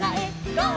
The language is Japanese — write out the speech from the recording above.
「ゴー！